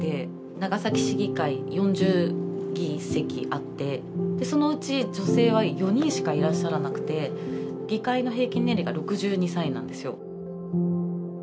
長崎市議会４０議席あってそのうち女性は４人しかいらっしゃらなくて議会の平均年齢が６２歳なんですよ。